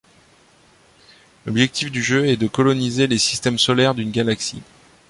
L’objectif du jeu est de coloniser les systèmes solaires d’une galaxie.